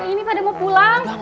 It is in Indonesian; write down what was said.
ini pada mau pulang